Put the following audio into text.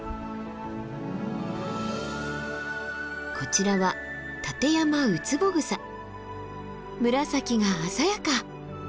こちらは紫が鮮やか。